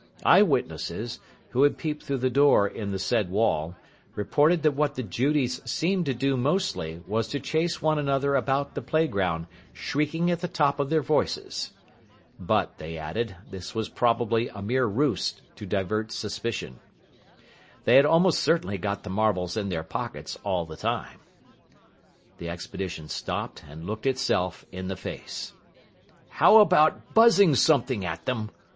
Eye witnesses, who had peeped through the door in the said wall, reported that what the Judies seemed to do mostly was to chase one another about the playground, shrieking at the top of their voices. But, they added, this was probably a mere ruse to divert suspicion. They had almost certainly got the marbles in their pockets all the time. The expedition stopped, and looked itself in the face. "How about buzzing something at them?"